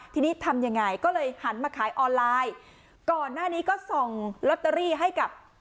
ทีนี้ทำยังไงก็เลยหันมาขายออนไลน์ก่อนหน้านี้ก็ส่องลอตเตอรี่ให้กับ